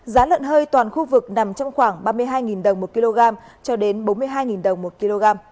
giá lợn hơi toàn khu vực nằm trong khoảng ba mươi hai đồng một kg cho đến bốn mươi hai đồng một kg